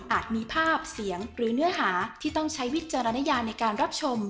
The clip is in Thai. มีภาพเสียงหรือเนื้อหาที่ต้องใช้วิจารณญาในการรับชม